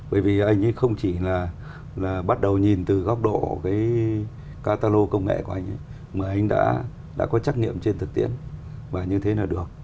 bởi vì anh không chỉ bắt đầu nhìn từ góc độ catalog công nghệ của anh mà anh đã có trắc nghiệm trên thực tiễn và như thế là được